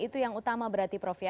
itu yang utama berarti prof ya